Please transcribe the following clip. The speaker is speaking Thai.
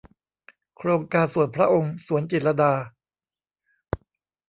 โครงการส่วนพระองค์ สวนจิตรลดา